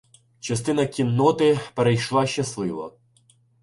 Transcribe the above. Частина кінноти перейшла щасливо.